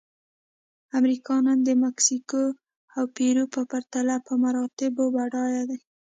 امریکا نن د مکسیکو او پیرو په پرتله په مراتبو بډایه ده.